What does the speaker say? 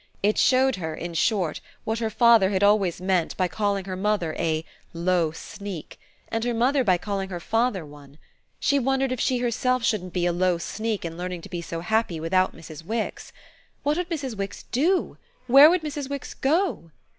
It showed her in short what her father had always meant by calling her mother a "low sneak" and her mother by calling her father one. She wondered if she herself shouldn't be a low sneak in learning to be so happy without Mrs. Wix. What would Mrs. Wix do? where would Mrs. Wix go?